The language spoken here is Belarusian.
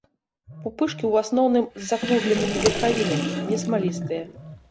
Пупышкі ў асноўным з закругленымі верхавінамі, не смалістыя.